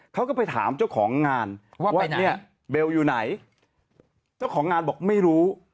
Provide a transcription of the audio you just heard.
เขาก็ไปถามเจ้าของงานว่าเนี่ยเบลอยู่ไหนเจ้าของงานบอกไม่รู้